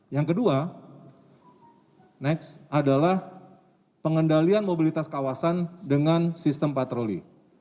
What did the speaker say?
yang kedua next adalah pengendalian mobilitas kawasan dengan sistem patroli